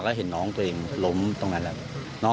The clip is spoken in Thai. แล้วเห็นน้องตัวเองล้มตรงนั้นแหละ